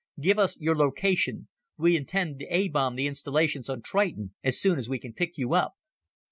Give us your location. We intend to A bomb the installations on Triton as soon as we can pick you up!"